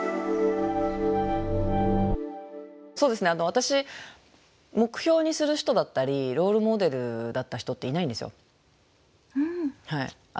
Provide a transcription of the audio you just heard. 私目標にする人だったりロールモデルだった人っていないんですよ。